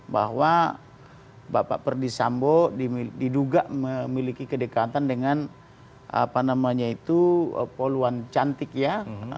bahwa bapak perdisambu diduga memiliki kedekatan dengan poluan cantik ya